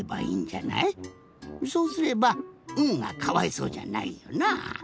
そうすれば「ん」がかわいそうじゃないよな。